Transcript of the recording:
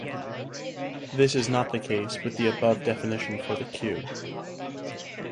This is not the case with the above definition for the cube.